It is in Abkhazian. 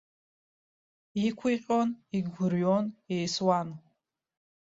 Иқәиҟьон, игәырҩон, еисуан.